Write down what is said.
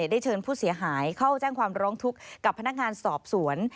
ได้เชิญผู้เสียหายเข้าแจ้งความร้องทุกข์กับพนักงานสอบสวน